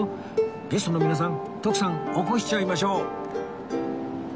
ゲストの皆さん徳さん起こしちゃいましょう！